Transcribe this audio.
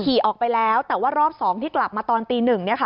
ขี่ออกไปแล้วแต่ว่ารอบสองที่กลับมาตอนตีหนึ่งเนี้ยค่ะ